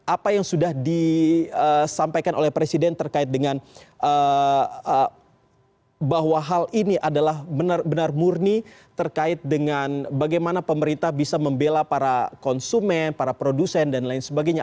apa yang sudah disampaikan oleh presiden terkait dengan bahwa hal ini adalah benar benar murni terkait dengan bagaimana pemerintah bisa membela para konsumen para produsen dan lain sebagainya